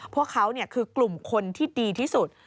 พวกเขาคือกลุ่มคนที่ดีที่สุด